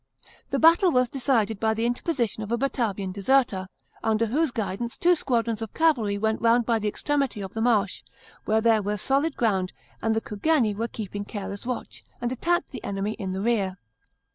The battle was decided by the interposition of a Batavian deserter, under whose guidance two squadrons of cavalry went round by the extremity of the marsh, where there .was solid ground and the Cugerni were keeping careless wntch, and attacked the enemy in the rear.